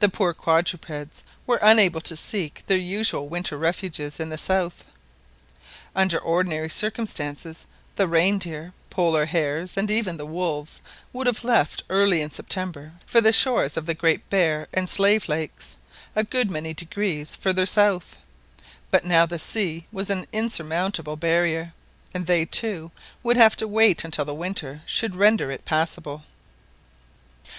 The poor quadrupeds were unable to seek their usual winter refuges in the south. Under ordinary circumstances the reindeer, Polar hares, and even the wolves would have left early in September for the shores of the Great Bear and Slave Lakes, a good many degrees farther south; but now the sea was an insurmountable barrier, and they, too, would have to wait until the winter should render it passable.